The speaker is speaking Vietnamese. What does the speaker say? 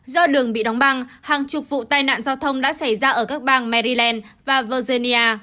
do đường bị đóng băng hàng chục vụ tai nạn giao thông đã xảy ra ở các bang maryland và virginia